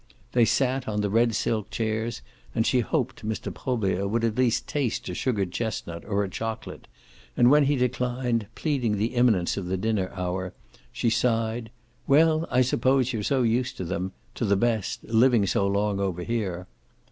They sat on the red silk chairs and she hoped Mr. Probert would at least taste a sugared chestnut or a chocolate; and when he declined, pleading the imminence of the dinner hour, she sighed: "Well, I suppose you're so used to them to the best living so long over here."